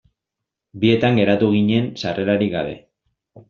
Bietan geratu ginen sarrerarik gabe.